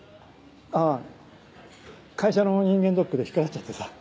あぁ会社の人間ドックで引っ掛かっちゃってさ。